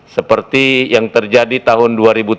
seperti yang terjadi tahun dua ribu tujuh belas